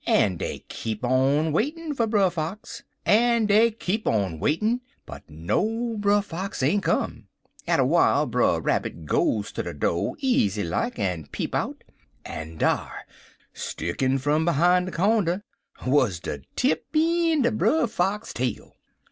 En dey keep on waitin' for Brer Fox. En dey keep on waitin', but no Brer Fox ain't come. Atter 'while Brer Rabbit goes to de do', easy like, en peep out, en dar, stickin' fum behime de cornder, wuz de tip een' er Brer Fox tail.